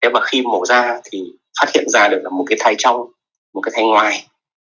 và khi mổ ra thì phát hiện ra được là một cái thai trong một cái thai ngoài